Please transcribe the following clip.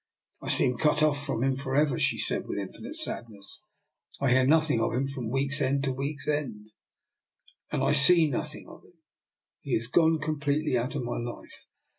" I seem cut off from him for ever," she said with infinite sadness. " I hear nothing of him from week's end to week's end, and I see nothing of him. He is gone completely out of my life."